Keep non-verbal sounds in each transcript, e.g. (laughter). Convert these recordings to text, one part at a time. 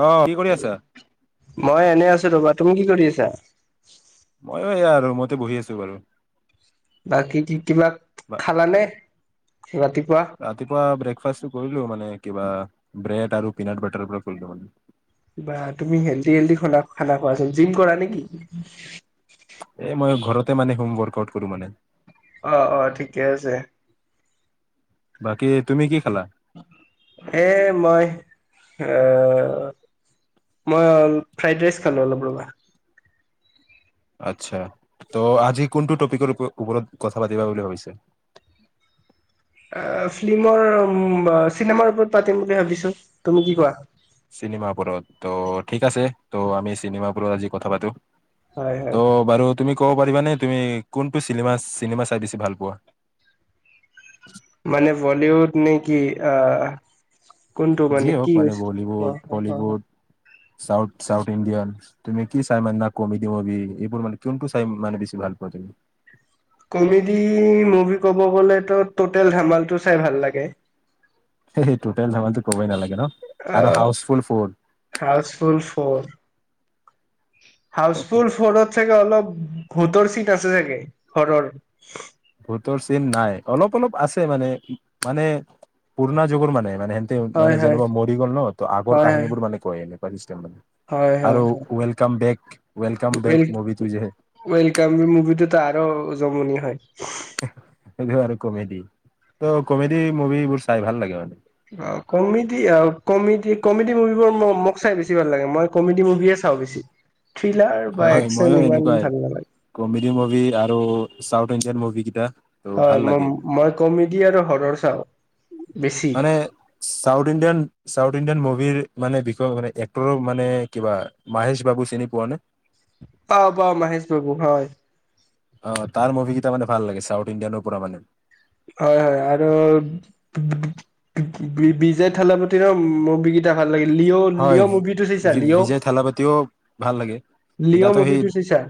অ কি কৰি আছা মই এনে আছো ৰবা তুমি কি কৰি আছা মইয়ো সেয়া আৰু ৰোমতে বহি আছো বাৰু বাকী কি কিবা বা খালানে ৰাতিপুৱা ৰাতিপুৱা ব্ৰেকফাষ্টটো কৰিলো মানে কিবা ব্ৰেড আৰু পিনাৰ বাটাৰৰ পৰা কৰিলো মানে কিবা তুমি হেল্ডি হেল্ডি খা খানা খোৱাচোন জিম কৰা নেকি এ মই ঘৰতে মানে হোম ৱৰ্কআউট কৰো মানে অ অ ঠিকে আছে বাকী তুমি কি খেলা এ মই অ মই ফ্ৰাইড ৰাইচ খালো অলপ ৰবা আচ্ছা ত' আজি কোনটো টপিকৰ ওপৰত কথা পাতিবা বুলি ভাবিছে (inaudible) অ ফিল্মৰ চিনেমাৰ ওপৰত পাতিম বুলি ভাবিছো তুমি কি কোৱা চিনেমাৰওপৰত ত' ঠিক আছে ত' আমি চিনেমাৰত আজি কথা পাতো হয় হয় ত বাৰু তুমি কব পাৰিবা নে তুমি কোনটো চিনেমা চাই বেছি ভাল পোৱা মানে বলিউড নেকি অ কোনটো মানে যিয়ে হওক কি হৈছে অ বলীউড অ হলিউড চাউথ চাউথ ইণ্ডিয়ান তুমি কি চাই মানো কমেডি মুভি এইবোৰ মানে কোনটো চাই মানে বেছি ভাল পাওঁ তুমি (inaudible) কমেডি মুভি ক'ব গ'লেতো ট'টেল ধামালটো চাই ভাল লাগে সেই সেই টোটেল ধামান টো কবই নালাগে ন অ আৰু housefull four housefull for housefull ফৰত চাগে অলপ ভোতৰ চিন আছে চাগে ঘৰৰ ভূতৰ চিন নাই অলপ অলপ আছে মানে মানে পুৰণা যুগৰ মানে মানে সেহতে হয় মানে হয় যেনেকা মৰি গ'ল ন ত আগৰ হয় হয় কাহিনী বোৰ মানে কৈ প হয় আৰু হয় হয়। ৱেলকাম বেক ৱেলকাম বেক মুভিটো যে ৱেলকাম মুভিটোতো আৰু যমনি হয়। সেইটো আৰু কমেডি ত' কমেডি মুভিবোৰ চাই ভাল লাগে মানে। অ কমেডি কমেডি কমেডি মুভিবোৰ মোক চাই বেছি বেছি ভাল লাগে মই কমেডি মুভিয়ে চাওঁ বেছি। থ্ৰিলাৰ বা হয় একচন ময়ো ইমান এনেকুৱাই ভাল নালাগে কমেডী মুভি আৰু চাউথ ইণ্ডিয়ান মুভি কেইটা ত' হয় ভাল ম লাগে। মই কমেডি আৰু হৰৰ চাওঁ। বেছি মানে চাউথ ইণ্ডিয়ান চাউথ ইণ্ডিয়ান ম ৰ মানে বিষয় মে এক্ৰৰ মানে কিবা, মাহেশ বাবু চিনি পোৱা নে? পাওঁ পাওঁ মাহেশ বাবু হয়। অ তাৰ মুভি কেইটা মানে ভাল লাগে চাউথ ইণ্ডিয়ানো পৰা মানে। হয় হয় আৰু (unintelligible) বিজয় থালাপতি ন মভিকেইটা ভাল লাগে। লিঅ' হয় লিঅ' মভিটো চাইছা বি- লি'অ? বিজয় থালাপতিও ভাল লাগে। লিঅ' মুভিটো চাইছা?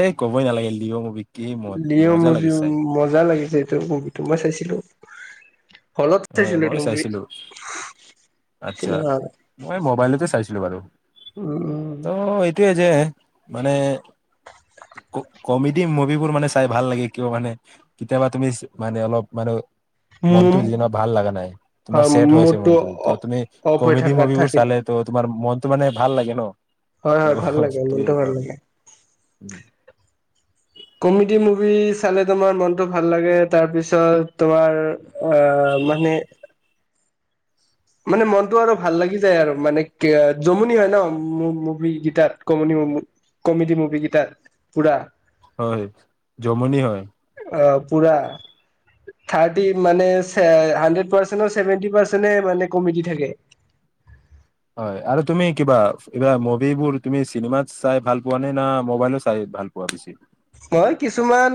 এ ক'বই নালাগিল লিঅ মুভি কি ম লিয় মজা মোৰ যি লাগিছে চাই। মজা লাগিছে এইটো মভিটো মই চাইছিলো। হলত হয় চাইছিলো এইটো মই মুভি চাইছিলো, আচ্ছা চিনেমা হলত। মই মোবাইলতে চাইছিল বাৰু উম ত' এইটোৱে যে মানে কমেডি মুভিবোৰ মানে চাই ভাল লাগে কিয় মানে কেতিয়াবা তুমি মানে অলপ মানে মনটো উম। যিদিনা ভাল লগা নাই তোমাৰ চেড হৈ আছে মোৰটো মনটো ত তুমি অফ হৈ কমেডী থাকা মুভি বোৰ থাকিলে চালে ত তোমাৰ মাৰ মনটো মানে ভাল লাগে ন। হয় হয় ভাল লাগে ত মনটো ভাল লাগে। কমেডি মুভি চালে তোমাৰ মনতো ভাল লাগে তাৰপিছত তোমাৰ অ মানে মানে মনটো আৰু ভাল লাগি যায় আৰু মানে কি জমনি হয় ন মুভি গেইটাত কমনি। কমেডি মুভি কেইটাত পুৰা। হয় যমনি হয়। অঁ পূৰা থাৰ্টি মানে হানড্ৰেদ পাৰ্চেন্টৰ ছেভেনটি পাৰ্চেন্তে মানে কমেদি থাকে। হয় আৰু তুমি কিবা এইবা মুভিবোৰ তুমি চিনেমাত চাই ভাল পোৱা নে না মোবাইলত চাই? ভাল পোৱা বেছি। মই কিছুমান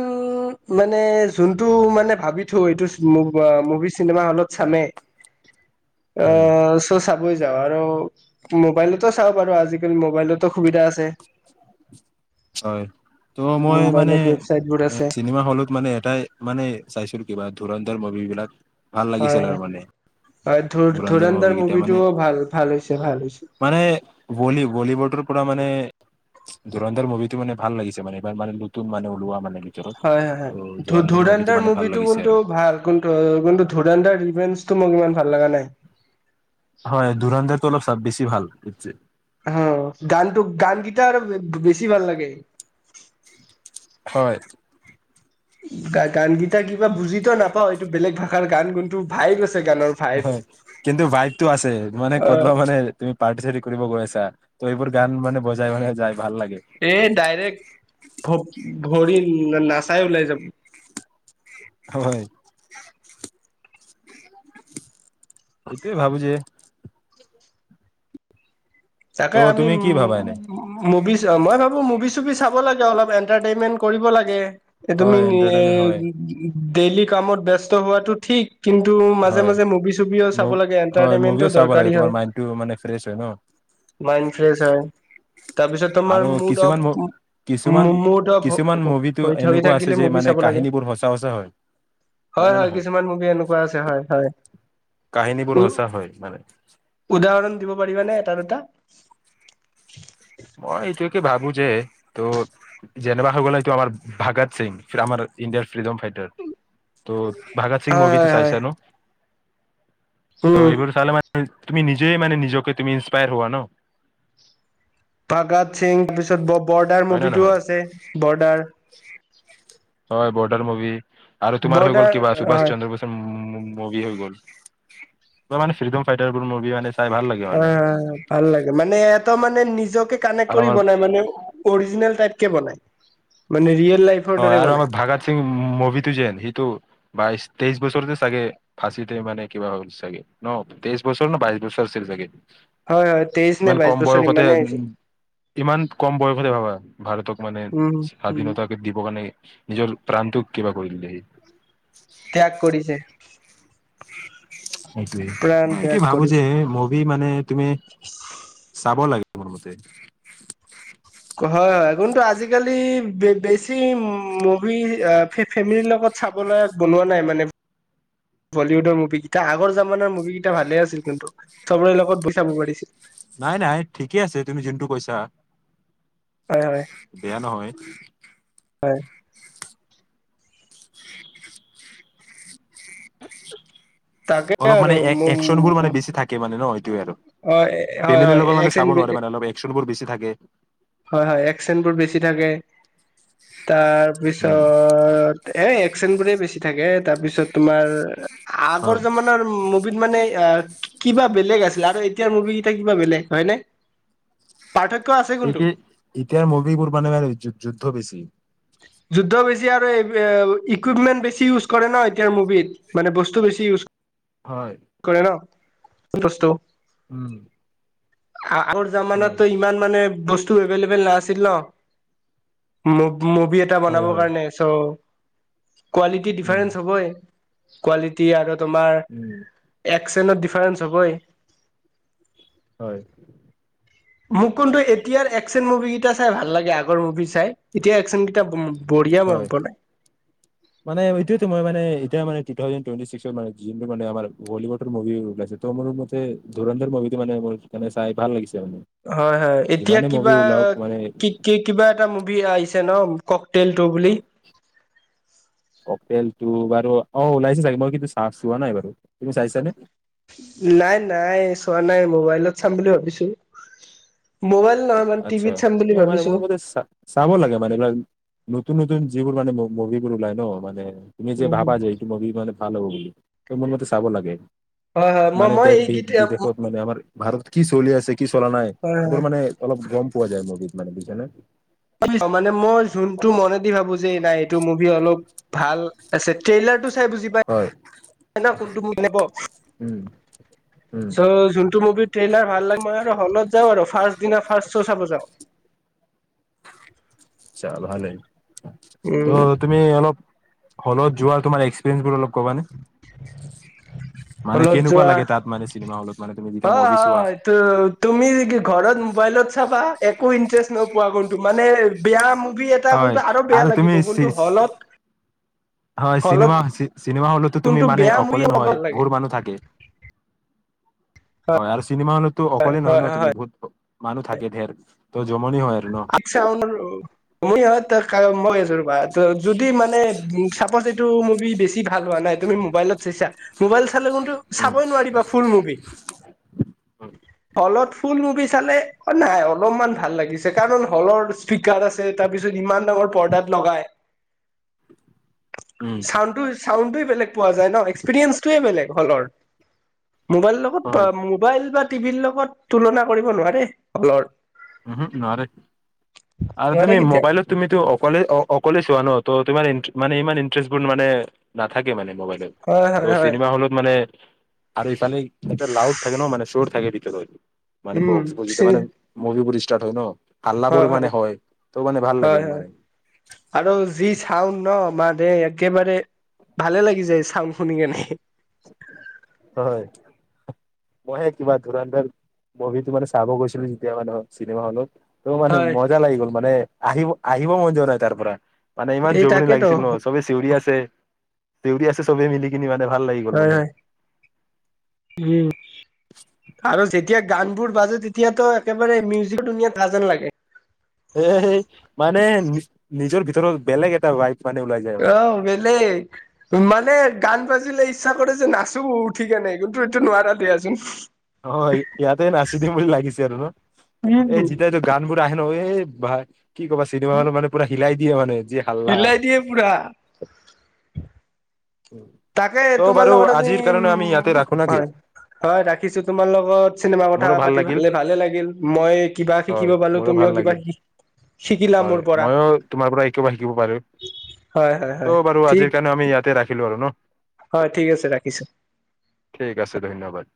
মানে যোনটো মানে ভাবি থওঁ এইটো মুভি চিনেমা হলত চামে। (unintelligible) অ চ চাবই যাওঁ আৰু মোবাইলতো চাব পাৰো আজিকালি মোবাইলতো সুবিধা আছে। হয়। ত' মই মানে মোবাইলত ৱেবচাইট বোৰ আছে চিনেমা হলত মানে এটাই মানে চাইছিলো কিবা ধুৰধৰ মুভিবিলাক ভাল হয় লাগিছিল আৰু হয় মানে। হয় ধুৰ ধুৰণ্ডৰ ধুৰন্ধৰ মভি গেইটা মানে মুভিটোও ভাল ভাল হৈছে ভাল হৈছে মানে বল বলিওডৰ মানে ধুৰন্ধাৰ মুভিটো মান ভাল লাগিছে। মানেবাৰ মানে নতুন মানে ওলোৱা মানে। ভিতৰত হয় হয় ত' হয় ধ মুভিটো ধুৰন্ধৰ মানে ভাল মুভি টো লাগিছে কিনটো আৰু ভাল ধুৰন্ধৰ ৰিভেঞ্জটো মুভি ভাল ভাল লগা নাই। হয় ধুৰন্ধৰ টো অলপ চ বেছি ভাল। অ গানটো গান কেইটা আৰু বেছি ভাল লাগে। হয়। গ গান কেইটা কিবা বুজিতো নাপাও এইটো বেলেগ ভাষাৰ গান গুণটো ভাই বেছে হয় কিন্তু বাইকটো আছে মানে অ ক'তবা মানে তুমি পাৰ্টি চাৰ্টি কৰিব গৈ আছা ত এইবোৰ গানে বজাই বজাই যায়। এ ডাইৰেক্ট। ভৰি নাচাই ওলাই যাব। হয়। এইটোয়ে ভাবো যে তাকে ত' আমি তুমি উ কি ভাবা এনে মুবি। (inaudible) মই ভাবো মুভি চুভি চাব লাগে অলপ। এণ্টাৰটেইনমেন্ট কৰিব লাগে। এই তুমি হয় এন্টাৰটেইনমেন্ট হয় ডেইলি কামত ব্যস্ত হোৱাটো ঠিক। কিন্তু মাজে হয় মাজে মুভি চুভিও চাব লাগে হয় এন্টাৰটেইনমেন্টটো মুভিও চাব লাগে দৰকাৰী তোমাৰ হয়। মাইণ্ডটো মানে ফ্ৰেছ হয় ন (inaudible) মাইণ্ড ফ্ৰেছ হয় তাৰপিছত তোমাৰ আৰু মুড অফ কিছুমান ম কিছুমান মুদ অফ কিছুমান মুভিটো হৈ এনেকুৱা আছে থাকিলে যে মুভি মানে চাব লাগে। কাহিনীবোৰ সঁচা সঁচা হয় হয় নে হয় নহয় কিছুমান মুভি এনেকুৱা আছে হয় হয়। কাহিনীবোৰ উ সঁচা হয় মানে উদাহৰণ দিব পাৰিবা নে? মই এইটোকে ভাবো যে যে ত' যেনেবা হৈ গ'ল এইটো আমাৰ ভাগত সিং আমাৰ ইণ্ডিয়াৰ ফ্ৰীডম ফাইটাৰ ত' ভাগত সিং হয় মুভিটো হয় হয় চাইছা ন। উম ত' এইবোৰ চালে মান তুমি নিজে মানে নিজকে তুমি ইন্সপায়াৰ হোৱা ন। ভাগত সিং তাৰপিছত বৰদাৰ হয় নে মুভিটোও নহয় আছে বৰদাৰ। হয় বৰ্ডাৰ মুভি আৰু তোমাৰ হৈ গ'ল বৰ্ডাৰ কিবা সুভাষ হয় চন্দ্ৰ বোস। মুভি হৈ গ'ল মানে ফ্ৰিডম ফাইটাবোৰ মুভি মানে চাই ভাল লাগে মানে অ' ভাল লাগে মানে এটা মানে নিজকে কানেক্ট আৰু কৰিব আমাৰ নাই মানে অৰিজিনেল। (unintelligible) হয় দৰে আৰু বনাই আমাৰ ভাগা সিং মভিতু যেন সিটো বাইছ, তেইছ বছৰতে চাগে ফাঁচি মানে কিবা হ'ল চাগে ন তেইশ বছৰ ন বাইশ বছৰ আছিল চাগে। হয় হয় তেইশ নে ইমান বাইশ কম বছৰ বয়সতে ইমানেই উ হৈছে ইমান কম বয়সতে ভাবা ভাৰতক মানে উম উম স্বাধীনতা। দিব কাৰণে নিজৰ প্ৰাণটোক কিবা কৰিলেহি। ত্যাগ কৰিছে সেইটোৱে। প্ৰাণ মই ত্যাগ ভাবো যে কৰিছে মভি মানে। তুমি চাব লাগে মোৰ মতে হয় হয় কিন্তু আজিকালি বেছি মুভি ফেমিলিৰ লগত। ত চাবলৈ বনোৱা নাই মানে বলীউডৰ মুভি কেইটা আগৰ জামানাৰ মুভি কেইটা ভালে আছিল। কিন্তু চবৰে লগত বৈ চাব পাৰিছিল। পইচা হয় হয় বেয়া নহয়। হয়। তাকে অলপ আৰু মানে একশচনবোৰ মানে বেছি থাকে মানে ন সেইটোৱে আৰু হয় ফেমিলিৰ লগত হয় মানে চাব হয় নোৱাৰে মানে অলপ একচনবোৰ বেছি থাকে। হয় হয় একচেণ্টবোৰ বেছি থাকে। উম তাৰপিছত এ এক চেন বোৰে বেছি। থাকে তাৰপিছত তোমাৰ হয় আগৰ জমানাৰ মুভিত মানে। কিবা বেলেগ আছিলে আৰু এতিয়াৰ মুভি কেইটা কিবা বেলেগ হয় ন পাৰ্থক্য আছে কোনটো ইতিয়াৰ মভিবোৰ মানে যুদ্ধ বেছি। যুদ্ধ বেছি আৰু ইকুইপমেন্ট বেছি ইউজ কৰে ন এতিয়াৰ মুভিত মানে বস্তু বেছি ইউজ হয় কৰে। কৰে ন বস্তু উম। আগৰ উম জামানাতো ইমান মানে বস্তু এভেইলেবল নাছিল ন? মুভি এটা হয় বনাবৰ হয় কাৰণে চ' কোৱালিটি উম ডিফাৰেঞ্চ হ'বই ।কোৱালিটি আৰু তোমাৰ উম একচনত ফ্ৰেঞ্চ হবই। হয়। মোক কিন্তু এতিয়াৰ একচেন মুভি কেইটা চাই ভাল লাগে আগৰ মুভি চাই এতিয়া একচেন কেইটা । হয় মানে এইটোয়তো মই মানে এতিয়া মানে তু থাউজেণ্ড টুৱেন্টি চিক্স মানে যোনতো আমাৰ বলিউদৰ মভিটো ওলাইছে মোৰ মতে ধুৰন্ধৰ মভি মানে মুভি মানে চাই ভাল লাগিছে। মানে হয় হয় এতিয়া যিমানে মুভি কিবা ওলাওক মানে কি কি কিবা এটা মুভি আহিছে ন ক টেল তু বুলি । ক টেল তু বাৰু অ ওলাইছে চাগে মই কিন্তু চাহ চোৱা নাই বাৰু তুমি চাইছানে? নাই নাই চোৱা নাই মোবাইলত চাম বুলি ভাবিছো । মোবাইল নহয় মানে আচ্ছা টিভিত চাম বুলি মানে ভাবিছো মোৰ মতে চা চাব লাগে মানে এইবিলাক নতুন নতুন যিবোৰ মানে মুভিবোৰ ওলাই ন মানে তুমি যে ভাবা যে এইটো মুভি মানে ভাল হ'ব বুলি ত মোৰ মতে চাব লাগে হয় হয় মই মানে মই দেশ বি এইকেইটা বিদেশত মানে আমাৰ । ভাৰতত কি চলি আছে কি চলা নাই হয় সেইবোৰ মানে অলপ গম পোৱা যায় ।মুভিত মানে বুইছা নে? মানে মই যোনটো মনে দি ভাবো যে নাই এইটো মুভি অলপ ভাল আছে ট্ৰেইলাৰটো চাই বুজি পাই হয় ন ন কোনটো ম লব উম উম চ' যোনটো মুভিৰ ট্ৰেইলাৰ ভাল লাগে মই আৰু তলত যাওঁ আৰু ফাষ্ট দিনা ফাৰ্ষ্ট শ চাব যাওঁ। আচ্ছা ভালেই উম ত' তুমি অলপ হলত যোৱা তোমাৰ এক্সপৰিয়েঞ্চ বোৰ অলপ কবা নে? মানে হলত কেনেকুৱা যোৱা লাগে তাত মানে চিনেমা হলত মানে তুমি যেতিয়া হয় মুভি হয় চোৱা হয় তুমি কি ঘৰত মোবাইলত চাবা একো ইণ্টাৰেষ্ট নোপোৱা কোনটো মানে বেয়া মুভি এটা হয় কোনটো আৰু বেয়া লাগিব তুমি কিন্তু চি হলত । হয় চিনেমা চিনেমা হলতো তুমি কোনটো মানে বেয়া মুভি অকলে অলপ নহয় ভাল লাগে বহুতো মানুহ থাকে । হয় আৰু চিনেমা হলতো অকলে নহয় হয় ন হয় তুমি হয় ভূত মানুহ থাকে দিয়া ত জমনি হয় । আচ্ছা (unintelligible) বা ত যদি মানে উ চাপজ এইটো মোক তুমি বেছি ভাল হোৱা নাই তুমি মোবাইল চাই চা মোবাইল চাব উম নোৱাৰা ফুল মুভি ফুল মুভি চালে নাই অলপমান ভাল লাগিছে কাৰণ হলৰ আছে তাৰ পিছত ইমান ডাঙৰ পৰ্দাত লগাই উম চাড চাউড বেলেগ পোৱা যায় ন এক্সপিৰিয়েঞ্চটোৱে বেলেগ হলৰ মোবাইলৰ লগত হয় মোবাইল বা টিভিৰ লগত তুলনা কৰিব নোৱাৰে হলৰ উম নোৱাৰে আৰু নোৱাৰে তুমি কেতিয়াও মোবাইলত তুমিতো অকলে অ অকলে চোৱা ন তো তোমাৰ মানে ই ইন্টাৰেছ বোৰ মানে নাথাকে মানে মোবাইলত হয় হয় হয় চিনেমা হলত মানে আৰু এইফালে লাউড থাকে ন মানে চৰ থাকেত মানে উম বক্স বোৰ চি মানে পুৰি ষ্টাৰট হয় ন হাল্লাবোৰ হয় মানে ত' মানে ভাল লাগে হয় হয় মানে আৰু যি চাউড ন মান একেবাৰে ভালে লাগি যায় চাউ শুনি কিনাই হয় মইহে কিবা ধুৰন দৰ মুভি মানে চাব গৈছিলো যেতিয়া মানে চিনেমা হলত ত' মানে হয় মজা লাগি গ'ল মানে আহিব আহিব মন যোৱা নাই তাৰ পৰা মানে ইমান এই জোৰমণনি তাকেতো লাগিছিল ন চবে চিউৰি আছে চিউৰি আছে চবে মিলি কিনি মানে ভাল লাগি গল হয় মানে হয় উম আৰু যেতিয়া গান বোৰ বাজে তেতিয়াতো একেবাৰে মিউজিক ধুনীয়া কাজল যেন লাগে এ মানে নিজৰ ভিতৰত বেলেগ এটা মানে ওলাই যায় মানে আহ বেলেগ মানে গান বাজিলে ইচ্ছা কৰে যে নাচো উঠিকে নাই কিন্তু এইটো নোৱাৰা দিয়াচোন অ ইয়াতে নাচি দিম বুলি লাগিছে আৰু ন উম এই যেতিয়া ইটো গান বোৰ পৰা আহে ন এ ভাই কি ক'বা চিনেমা হল মানে পুৰা হিলাই দিয়ে মানে যি হাল্লা হিলাই দিয়ে পুৰা তাকে ত' তোমাৰ বাৰু লগত যদি আজিৰ উ কাৰণে আমি ইয়াতে ৰাখো নাকি হয় হয় ৰাখিছো তোমাৰ লগত চিনেমা কথা মোৰো পাতি লাগিল ভাল ভালে লাগিল মই কিবা হয় শিকিব পালো মোৰো ভাল তুমি লাগিল কিবা শিকিলা হয় মোৰ পৰা মইও তোমাৰ পৰা একেবা শিকিব পাৰিম হয় হয় হয় ত' বাৰু ঠিক আজিৰ কাৰণে আমি ইয়াতে ৰাখিলো আৰু ন হয় ঠিক আছে ৰাখিছো ঠিক আছে ধন্যবাদ